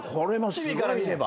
チビから見れば。